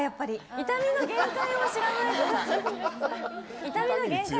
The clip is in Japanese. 痛みの限界を知らないほうだ。